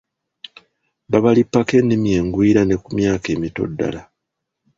Babalippako ennimi engwira ne ku myaka emito ddala.